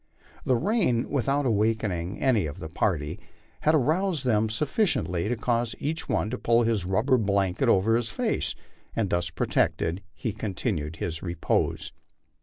The rain, without awakening any of the party, had aroused them sufficiently to cause each one to pull his rubber blanket over his face, and, thus protected, he continued hi& repose.